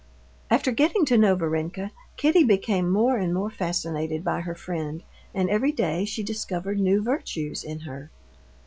After getting to know Varenka, Kitty became more and more fascinated by her friend, and every day she discovered new virtues in her.